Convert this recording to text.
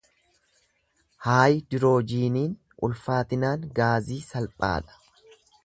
Haayidiroojiiniin ulfaatinaan gaazii salphaa dha.